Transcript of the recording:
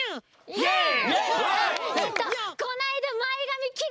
イエイ！